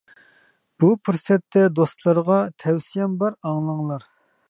بۇ پۇرسەتتە دوستلارغا، تەۋسىيەم بار ئاڭلاڭلار.